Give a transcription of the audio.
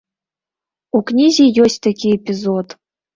У кнізе ёсць такі эпізод.